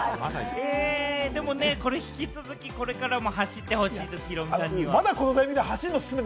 でも、これ引き続き、これからも走ってほしいです、ヒロミさんには。